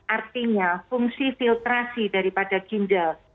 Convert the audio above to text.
artinya fungsi filtrasi daripada ginjal